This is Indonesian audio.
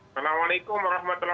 selamat sore mbak ripana